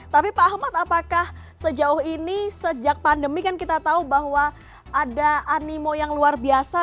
tapi pak ahmad apakah sejauh ini sejak pandemi kan kita tahu bahwa ada animo yang luar biasa